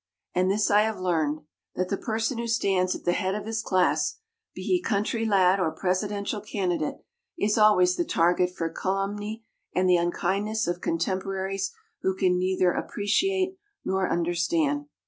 And this I have learned: that the person who stands at the head of his class (be he country lad or presidential candidate) is always the target for calumny and the unkindness of contemporaries who can neither appreciate nor understand.